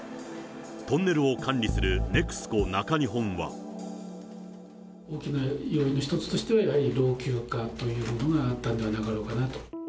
トンネルを管理するＮＥＸＣＯ中大きな要因の一つとしては、やはり老朽化というものがあったんではなかろうかと。